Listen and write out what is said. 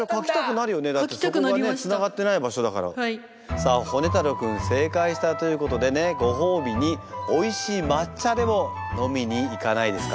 さあホネ太郎君正解したということでねご褒美においしい抹茶でも飲みに行かないですか？